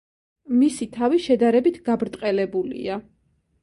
მისი თავი შედარებით გაბრტყელებულია.